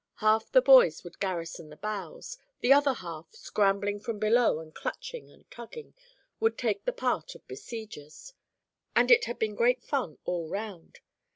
Half the boys would garrison the boughs, the other half, scrambling from below and clutching and tugging, would take the part of besiegers, and it had been great fun all round.